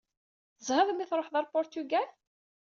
Tezhiḍ mi tṛuḥeḍ ɣer Puṛtugal?